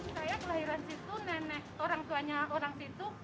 saya kelahiran situ nenek orang tuanya orang situ